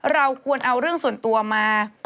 เราควรเอาเรื่องส่วนตัวมา